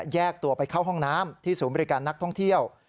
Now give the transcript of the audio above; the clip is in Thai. แยกตัวไปเข้าห้องน้ำที่ศูนย์บริการนักท่องเที่ยว